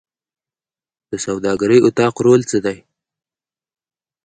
د سوداګرۍ اتاق رول څه دی؟